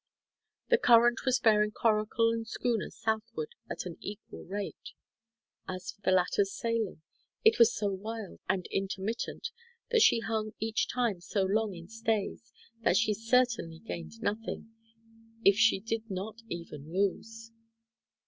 The current was bearing coracle and schooner southward at an equal rate. As for the latter's sailing, it was so wild and intermittent, and she hung each time so long in stays, that she certainly gained nothing, if she did not even lose.